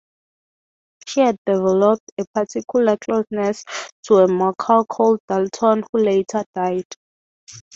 She had developed a particular closeness to a macaw called Dalton who later died.